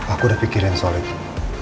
aku udah pikirin soal itu